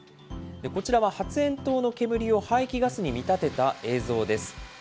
こちらは発煙筒の煙を排気ガスに見立てた映像です。